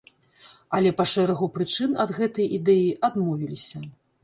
Але па шэрагу прычын ад гэтай ідэі адмовіліся.